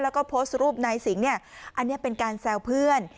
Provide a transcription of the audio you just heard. แล้วก็โพสต์รูปนายสิงห์เนี่ยอันนี้เป็นการแซวเพื่อน